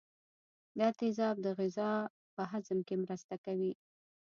دا تیزاب د غذا په هضم کې مرسته کوي.